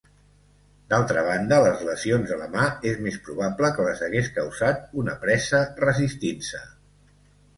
D'altra banda, les lesions a la mà es més probable que les hagués causat una presa resistint-se.